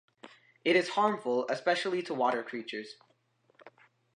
It is harmful especially to water creatures.